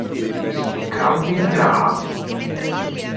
Calvin Graham